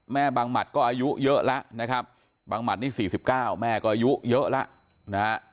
บางหมัดก็อายุเยอะแล้วนะครับบังหมัดนี่๔๙แม่ก็อายุเยอะแล้วนะฮะ